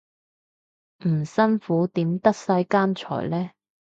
唔辛苦點得世間財呢